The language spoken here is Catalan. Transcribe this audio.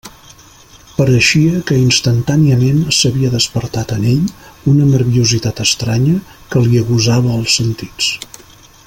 Pareixia que instantàniament s'havia despertat en ell una nerviositat estranya que li agusava els sentits.